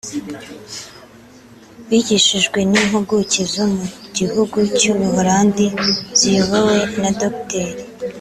bigishijwe n’impuguke zo mu gihugu cy’u Buholandi ziyobowe na Dr